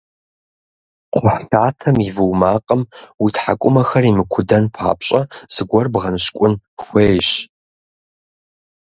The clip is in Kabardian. Кхъухьлъатэм и вуу макъым уи тхьэкӏумэхэр имыкудэн папщӏэ зыгуэр бгъэныщкӏун хуейщ.